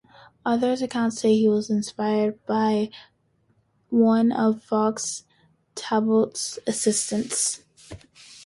Other accounts say he was inspired by one of Fox Talbot's assistants.